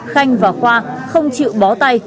khanh và khoa không chịu bó tay